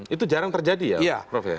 itu jarang terjadi ya prof ya